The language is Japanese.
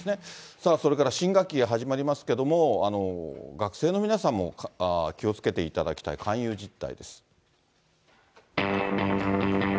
さあ、それから新学期始まりますけれども、学生の皆さんも気をつけていただきたい勧誘実態です。